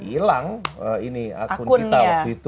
hilang ini akun kita waktu itu